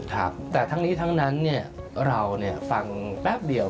แต่ทั้งนี้ทั้งนั้นเราฟังแป๊บเดียว